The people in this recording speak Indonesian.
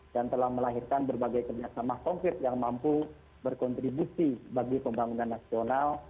dan telah melahirkan berbagai kerjasama konkret yang mampu berkontribusi bagi pembangunan nasional